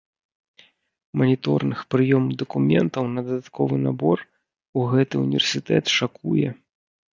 Маніторынг прыёму дакументаў на дадатковы набор у гэты ўніверсітэт шакуе!